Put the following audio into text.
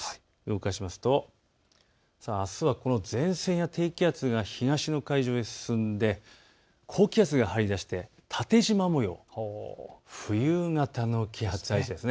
動かしてみますと、あすは前線や低気圧が東の海上へ進んで高気圧が張り出して、縦じま模様、冬型の気圧配置です。